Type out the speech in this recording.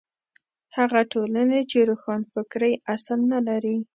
هغه ټولنې چې روښانفکرۍ اصل نه لري.